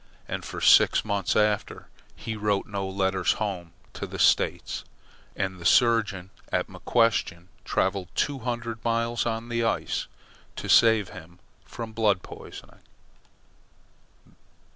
And for six months after, he wrote no letters home to the States, and the surgeon at McQuestion travelled two hundred miles on the ice to save him from blood poisoning.